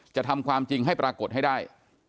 จะทำความจริงให้ปรากฏให้ได้